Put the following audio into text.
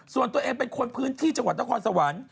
ส่วนตัวเองเป็นคนพื้นที่จังหวัดตะคอนสะวัน